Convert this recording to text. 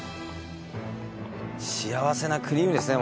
幸せなクリームですね